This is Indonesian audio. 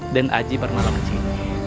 den aji permalau kecil